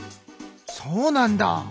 そうなんだ！